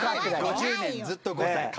５０年ずっと５歳。